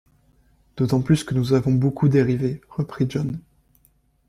D’autant plus que nous avons beaucoup dérivé, reprit John.